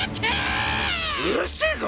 うるせえぞ！